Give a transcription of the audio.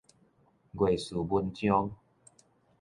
月事文章